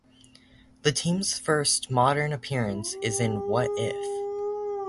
The team's first modern appearance is in What If?